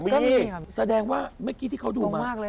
มีครับตรงมากเลยค่ะแสดงว่าเมื่อกี้ที่เขาดูมา